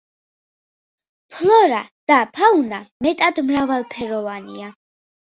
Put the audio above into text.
ფლორა და ფაუნა მეტად მრავალფეროვანია.